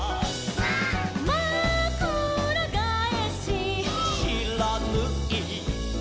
「まくらがえし」「」「しらぬい」「」